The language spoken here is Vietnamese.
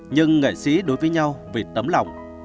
nhưng nghệ sĩ đối với nhau vì tấm lòng